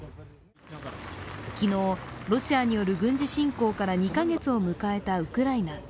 昨日、ロシアによる軍事侵攻から２カ月を迎えたウクライナ。